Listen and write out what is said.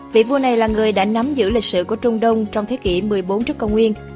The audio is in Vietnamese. vị vua này là người đã nắm giữ lịch sử của trung đông trong thế kỷ một mươi bốn trước công nguyên